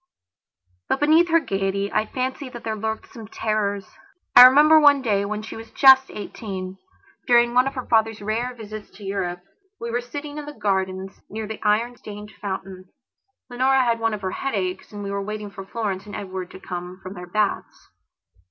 But, beneath her gaiety, I fancy that there lurked some terrors. I remember one day, when she was just eighteen, during one of her father's rare visits to Europe, we were sitting in the gardens, near the iron stained fountain. Leonora had one of her headaches and we were waiting for Florence and Edward to come from their baths.